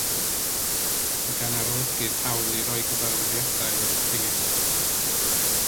Mae gan arolygydd hawl i roi cyfarwyddiadau i'r rhingyll.